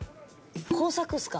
『耕作』っすか？